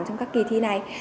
trong các kỳ thi này